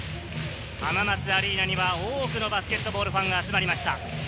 浜松アリーナには大きなバスケットボールファンが集まりました。